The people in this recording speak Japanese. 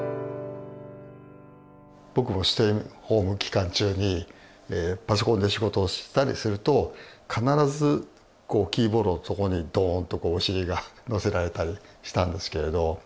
僕もステイホーム期間中にパソコンで仕事をしたりすると必ずキーボードのとこにドンとお尻が載せられたりしたんですけれど。